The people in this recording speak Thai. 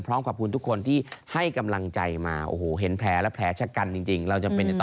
พร้อมขอบคุณทุกคนที่ให้กำลังใจมา